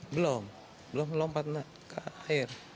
belum belum lompat ke air